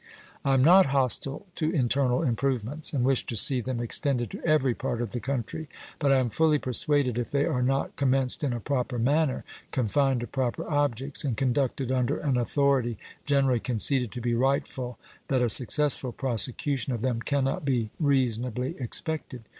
I am not hostile to internal improvements, and wish to see them extended to every part of the country. But I am fully persuaded, if they are not commenced in a proper manner, confined to proper objects, and conducted under an authority generally conceded to be rightful, that a successful prosecution of them can not be reasonably expected.